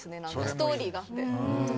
ストーリーがあって。